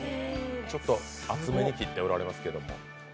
ちょっと厚めに切っておられますけれども。